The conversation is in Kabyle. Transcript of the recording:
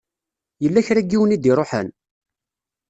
Yella kra n yiwen i d-iṛuḥen?